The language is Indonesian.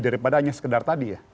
daripada hanya sekedar tadi ya